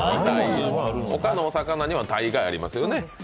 他のお魚には大概ありますよね。